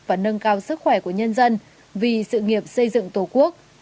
và nâng cao sức khỏe của nhân dân vì sự nghiệp xây dựng tổ quốc